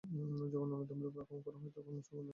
যখন অন্য ধর্মের ওপর আক্রমণ করা হয়, তখন মুসলমানের নামে হয়।